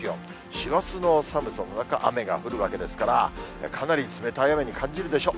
師走の寒さの中、雨が降るわけですから、かなり冷たい雨に感じるでしょう。